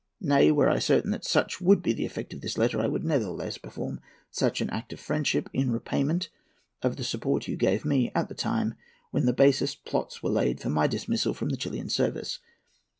Nay, were I certain that such would be the effect of this letter, I would nevertheless perform such an act of friendship, in repayment of the support you gave me at a time when the basest plots were laid for my dismissal from the Chilian service.